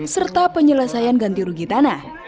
serta penyelesaian ganti rugi tanah